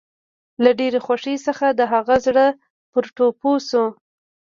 له ډېرې خوښۍ څخه د هغه زړه پر ټوپو شو